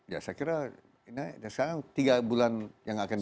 ya saya kira ini sekarang tiga bulan yang akan datang